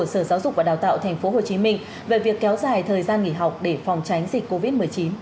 sở giáo dục và đào tạo tp hcm về việc kéo dài thời gian nghỉ học để phòng tránh dịch covid một mươi chín